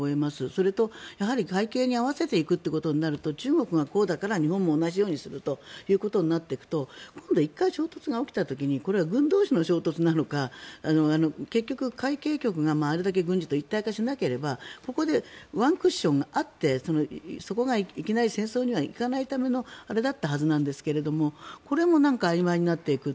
それと海警に合わせていくとなると中国がこうだから日本も同じようにするということになっていくと１回衝突が起こった時に軍同士の衝突なのか結局、海警局があれだけ軍事と一体化しなければここでワンクッションがあってそこがいきなり戦争には行かないためのあれだったはずなんですけどこれもあいまいになっていく。